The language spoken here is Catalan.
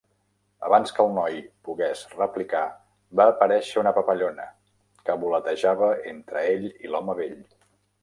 Abans que el noi pogués replicar, va aparèixer una papallona, que voletejava entre ell i l'home vell.